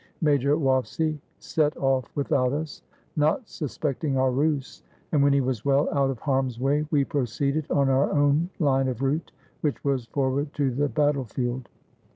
Major Waffsy set off without us, not suspecting our ruse, and when he was well out of harm's way we proceeded on our own line of route, which was forward to the battle field.